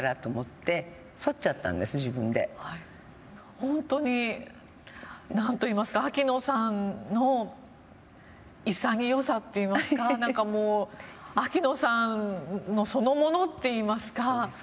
本当に、なんといいますか秋野さんの潔さといいますか秋野さんそのものといいますか。